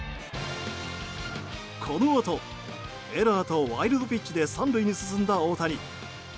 このあとエラーとワイルドピッチで３塁に進んだ大谷。